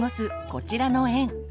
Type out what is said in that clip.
こちらの園。